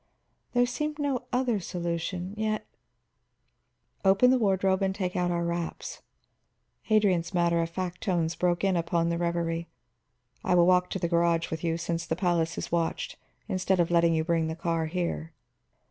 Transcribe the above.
There seemed no other solution, yet "Open the wardrobe and take out our wraps," Adrian's matter of fact tones broke in upon the reverie. "I will walk to the garage with you, since the palace is watched, instead of letting you bring the car here."